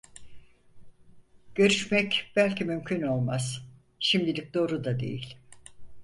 Görüşmek belki mümkün olmaz, şimdilik doğru da değil…